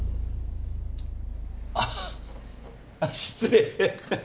あっ失礼